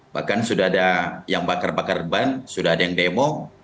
bahkan sudah ada yang bakar bakar ban sudah ada yang demo